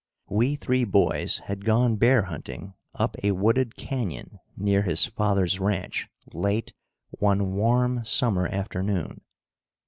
We three boys had gone bear hunting up a wooded canyon near his father's ranch late one warm summer afternoon.